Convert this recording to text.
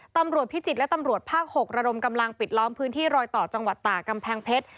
พิจิตรและตำรวจภาค๖ระดมกำลังปิดล้อมพื้นที่รอยต่อจังหวัดตากกำแพงเพชร